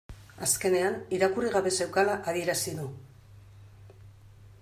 Azkenean irakurri gabe zeukala adierazi du